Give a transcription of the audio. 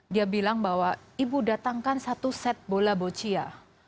dia bilang bahwa ibu datangkan satu set bola boccia